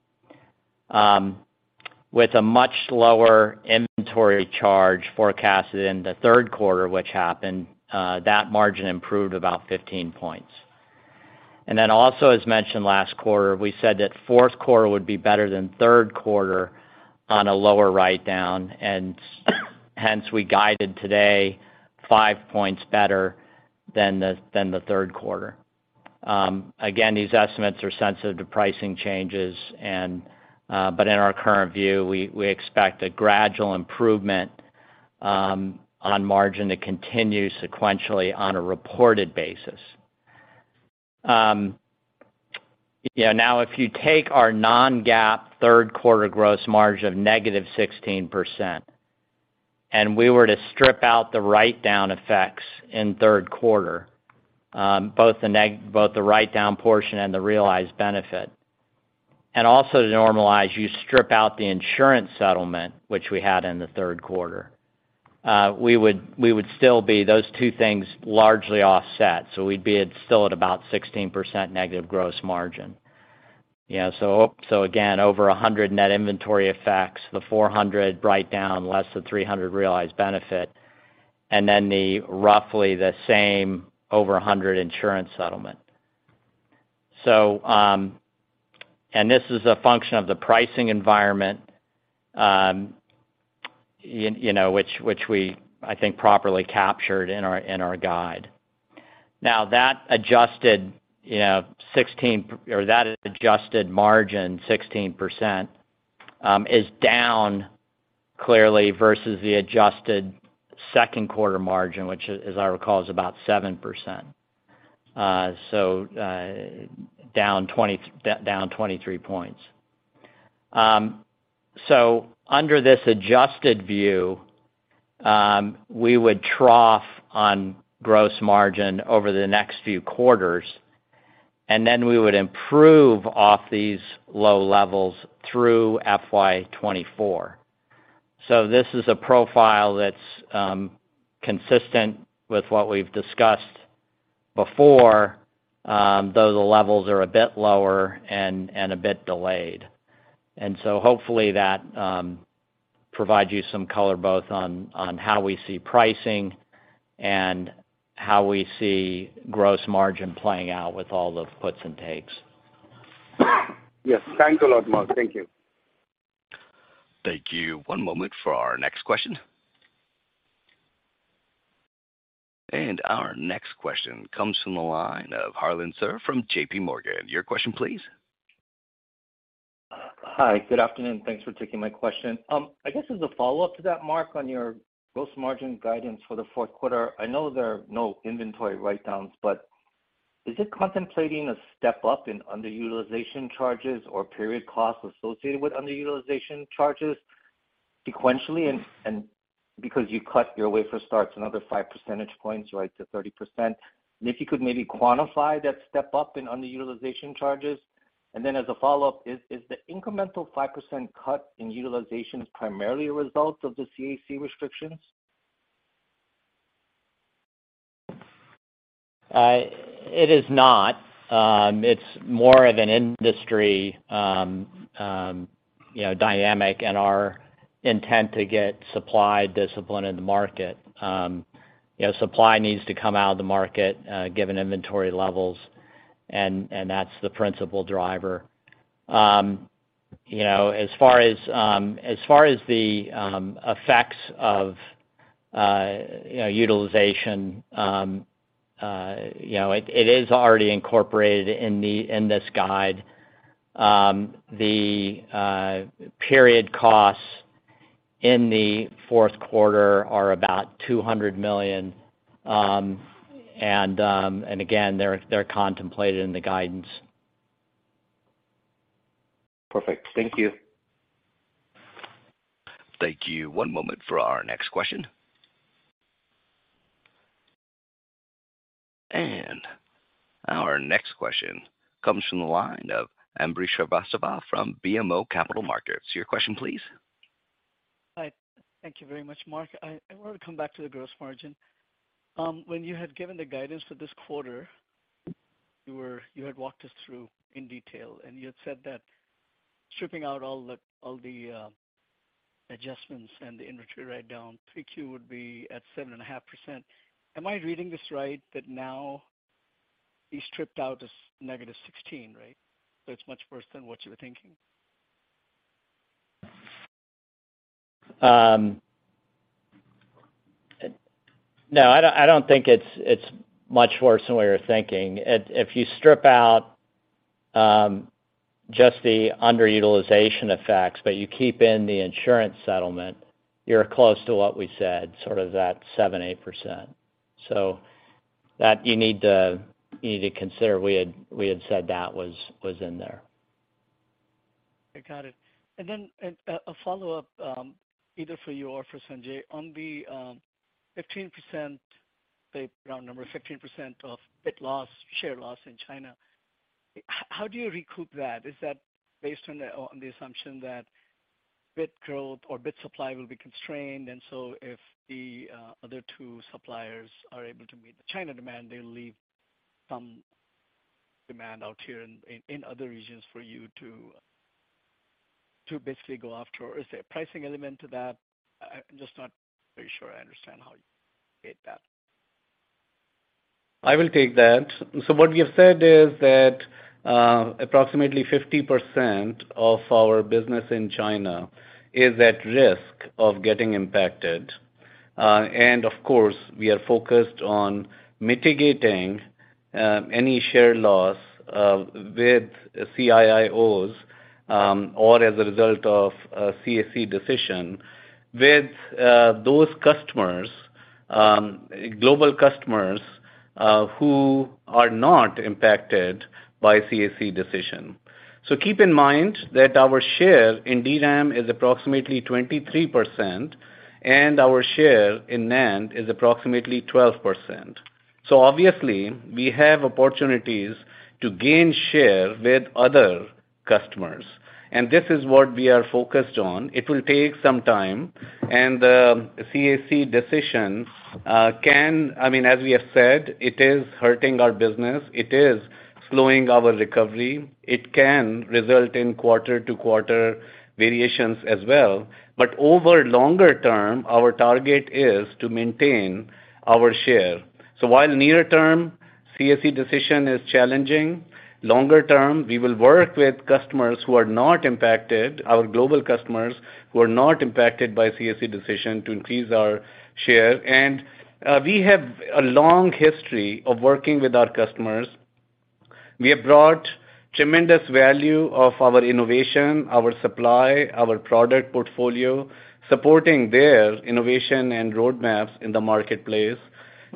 With a much lower inventory charge forecasted in the third quarter, which happened, that margin improved about 15 points. Also, as mentioned last quarter, we said that fourth quarter would be better than third quarter on a lower write-down; we guided today 5 points better than the third quarter. Again, these estimates are sensitive to pricing changes, but in our current view, we expect a gradual improvement on margin to continue sequentially on a reported basis. Yeah, now, if you take our non-GAAP third-quarter gross margin of negative 16%, and we were to strip out the write-down effects in third quarter, both the write-down portion and the realized benefit, and also to normalize, you strip out the insurance settlement, which we had in the third quarter, we would still be those two things largely offset, so we'd be at still at about 16% negative gross margin. You know, again, over $100 net inventory effects, the $400 write-down, less than $300 realized benefit, and then the roughly the same over $100 insurance settlement. And this is a function of the pricing environment, you know, which we, I think, properly captured in our, in our guide. Now, that adjusted, you know, or that adjusted margin, 16%, is down clearly versus the adjusted second quarter margin, which, as I recall, is about 7%, down 23 points. Under this adjusted view, we would trough on gross margin over the next few quarters, and then we would improve off these low levels through FY24. This is a profile that's consistent with what we've discussed before, though the levels are a bit lower and a bit delayed. Hopefully that provides you some color, both on how we see pricing and how we see gross margin playing out with all the puts and takes. Yes, thanks a lot, Mark. Thank you. Thank you. One moment for our next question. Our next question comes from the line of Harlan Sur from JPMorgan. Your question, please. Hi, good afternoon. Thanks for taking my question. I guess as a follow-up to that, Mark, on your gross margin guidance for the fourth quarter, I know there are no inventory write-downs, but is it contemplating a step up in underutilization charges or period costs associated with underutilization charges sequentially? Because you cut your wafer starts another five percentage points, right, to 30%? If you could maybe quantify that step up in underutilization charges? As a follow-up, is the incremental 5% cut in utilization primarily a result of the CAC restrictions? It is not. It's more of an industry, you know, dynamic, and our intent to get supply discipline in the market. You know, supply needs to come out of the market, given inventory levels, and that's the principal driver. You know, as far as far as the effects of, you know, utilization, you know, it is already incorporated in this guide. The period costs in the fourth quarter are about $200 million. Again, they're contemplated in the guidance. Perfect. Thank you. Thank you. One moment for our next question. Our next question comes from the line of Ambrish Srivastava from BMO Capital Markets. Your question, please. Hi. Thank you very much, Mark. I want to come back to the gross margin. When you had given the guidance for this quarter, you had walked us through in detail, and you had said that stripping out all the adjustments and the inventory write-down, 3Q would be at 7.5%. Am I reading this right, that now you stripped out as -16%, right? It's much worse than what you were thinking. No, I don't think it's much worse than what you're thinking. If you strip out just the underutilization effects, but you keep in the insurance settlement, you're close to what we said, sort of that 7%-8%. That you need to consider. We had said that was in there. I got it. A follow-up, either for you or for Sanjay. On the 15%, the round number, 15% of bit loss, share loss in China, how do you recoup that? Is that based on the assumption that bit growth or bit supply will be constrained? If the other two suppliers are able to meet the China demand, they'll leave some demand out here in other regions for you to basically go after. Is there a pricing element to that? I'm just not pretty sure I understand how you create that. I will take that. What we have said is that approximately 50% of our business in China is at risk of getting impacted. Of course, we are focused on mitigating any share loss with CIIOs, or as a result of a CAC decision with those customers, global customers, who are not impacted by the CAC decision. Keep in mind that our share in DRAM is approximately 23%, and our share in NAND is approximately 12%. Obviously, we have opportunities to gain share with other customers, and this is what we are focused on. It will take some time, and the CAC decision, I mean, as we have said, it is hurting our business. It is slowing our recovery. It can result in quarter-to-quarter variations as well, but over longer term, our target is to maintain our share. While in the nearer term, the CAC decision is challenging, longer term, we will work with customers who are not impacted, our global customers who are not impacted by the CAC decision to increase our share. We have a long history of working with our customers. We have brought tremendous value of our innovation, our supply, our product portfolio, supporting their innovation, and roadmaps in the marketplace.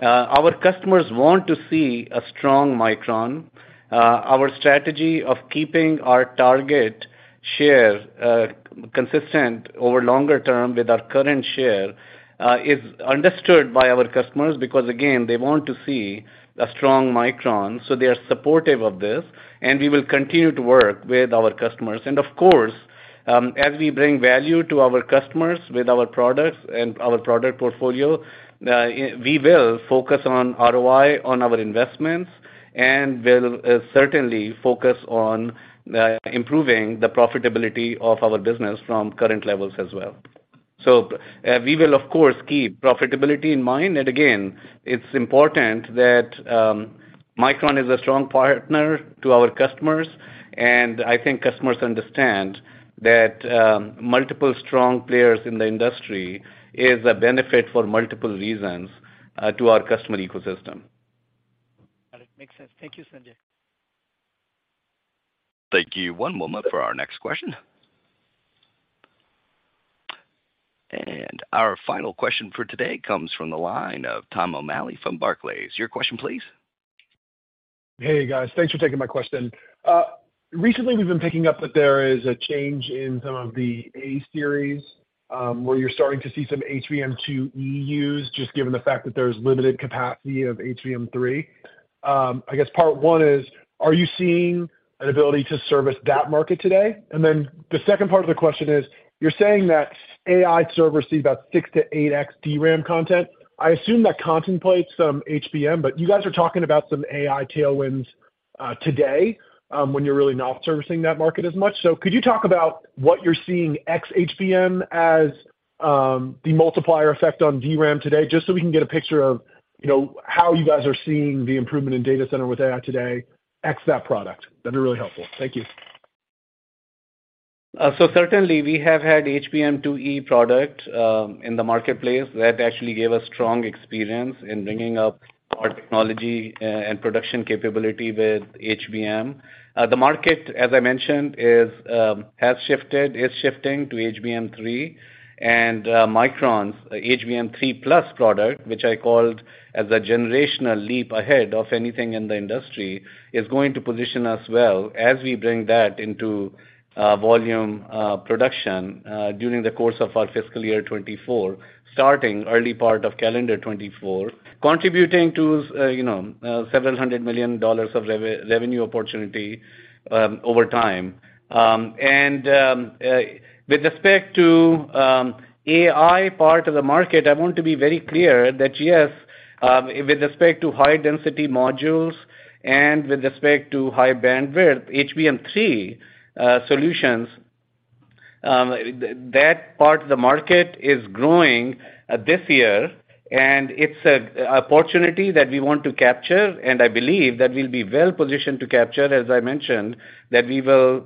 Our customers want to see a strong Micron. Our strategy of keeping our target share consistent over longer term with our current share is understood by our customers, because again, they want to see a strong Micron, so they are supportive of this, and we will continue to work with our customers. Of course, as we bring value to our customers with our products and our product portfolio, we will focus on ROI, on our investments, and we'll certainly focus on improving the profitability of our business from current levels as well. We will, of course, keep profitability in mind, and again, it's important that Micron is a strong partner to our customers, and I think customers understand that multiple strong players in the industry is a benefit for multiple reasons to our customer ecosystem. Got it. Makes sense. Thank you, Sanjay. Thank you. One moment for our next question. Our final question for today comes from the line of Tom O'Malley from Barclays. Your question, please. Hey, guys. Thanks for taking my question. Recently, we've been picking up that there is a change in some of the A series, where you're starting to see some HBM2E, just given the fact that there's limited capacity of HBM3. I guess part one is: Are you seeing an ability to service that market today? The second part of the question is, you're saying that AI servers see about 6-8 XDRAM content. I assume that contemplates some HBM, but you guys are talking about some AI tailwinds today, when you're really not servicing that market as much. Could you talk about what you're seeing ex HBM as, the multiplier effect on DRAM today, just so we can get a picture of, you know, how you guys are seeing the improvement in data centers with AI today, ex that product? That'd be really helpful. Thank you. Certainly we have had HBM2E products in the marketplace that actually gave us strong experience in bringing up our technology and production capability with HBM. The market, as I mentioned, is has shifted, is shifting to HBM3, and Micron's HBM3 Plus product, which I called as a generational leap ahead of anything in the industry, is going to position us well as we bring that into volume production during the course of our fiscal year 2024, starting early part of calendar 2024, contributing to, you know, $700 million of revenue opportunity over time. With respect to the AI part of the market, I want to be very clear that yes, with respect to high-density modules and with respect to high bandwidth, HBM3 solutions, that part of the market is growing this year, and it's an opportunity that we want to capture, and I believe that we'll be well positioned to capture it, as I mentioned, that we will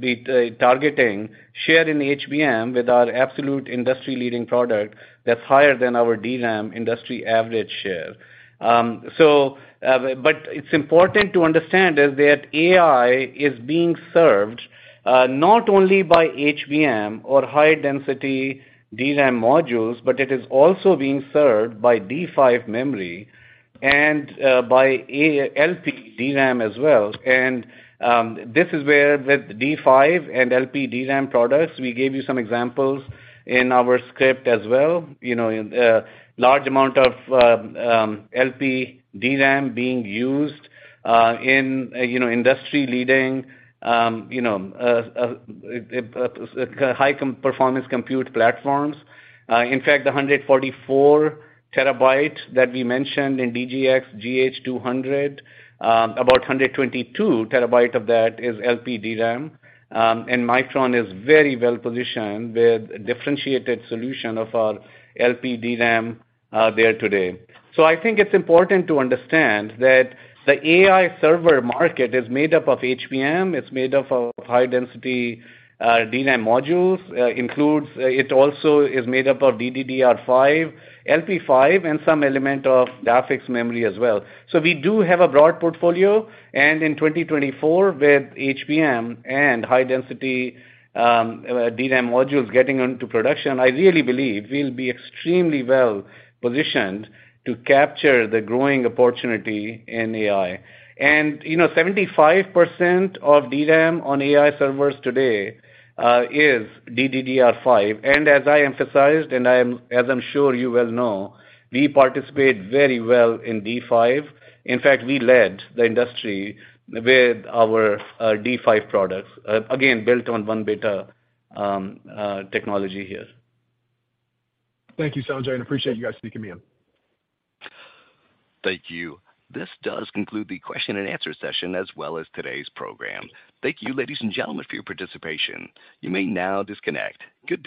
be targeting share in HBM with our absolute industry-leading product that's higher than our DRAM industry average share. It's important to understand is that AI is being served not only by HBM or high-density DRAM modules, but it is also being served by D5 memory and by LP DRAM as well. This is where, with D5 and LP DRAM products, we gave you some examples in our script as well. You know, a large amount of LP DRAM is being used in, you know, industry-leading, high-performance compute platforms. In fact, the 144 TB that we mentioned in DGX GH200, about 122 TB of that is LP DRAM. Micron is very well positioned with the differentiated solution of our LP DRAM there today. I think it's important to understand that the AI server market is made up of HBM, it's made up of high-density DRAM modules, it also is made up of DDR5, LP5, and some element of graphics memory as well. We do have a broad portfolio, and in 2024, with HBM and high-density DRAM modules getting into production, I really believe we'll be extremely well positioned to capture the growing opportunity in AI. You know, 75% of DRAM on AI servers today is DDR5. As I emphasized, as I'm sure you well know, we participate very well in D5. In fact, we led the industry with our D5 products, again, built on 1-beta technology here. Thank you, Sanjay, and I appreciate you guys sneaking me in. Thank you. This does conclude the question and answer session, as well as today's program. Thank you, ladies and gentlemen, for your participation. You may now disconnect. Good day.